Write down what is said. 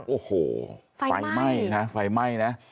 โอ้โหไฟไหม้นะไฟไหม้นะ